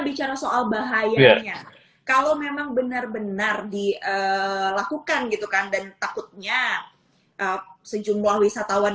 bicara soal bahayanya kalau memang benar benar dilakukan gitu kan dan takutnya sejumlah wisatawan